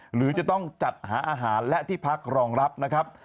หรือจะต้องจัดหาอาหารและที่พักรองรับนะครับ